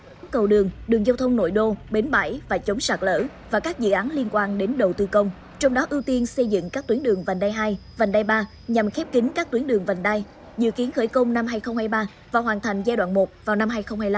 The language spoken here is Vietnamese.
dự án cầu đường đường giao thông nội đô bến bãi và chống sạt lỡ và các dự án liên quan đến đầu tư công trong đó ưu tiên xây dựng các tuyến đường vành đai hai vành đai ba nhằm khép kính các tuyến đường vành đai dự kiến khởi công năm hai nghìn hai mươi ba và hoàn thành giai đoạn một vào năm hai nghìn hai mươi năm